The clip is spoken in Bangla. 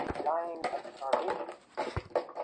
সেখানে গিয়ে যে কোনো গ্রাহক তথ্যসেবা পেতে পারেন।